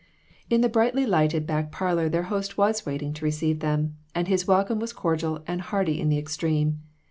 In the brightly lighted back parlor their host was waiting to receive them, and his welcome was cordial and hearty in the extreme.